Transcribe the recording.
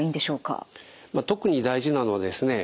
特に大事なのはですね